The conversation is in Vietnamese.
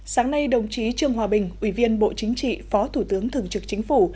sáng nay đồng chí trương hòa bình ủy viên bộ chính trị phó thủ tướng thường trực chính phủ